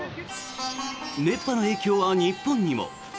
熱波の影響は日本にも。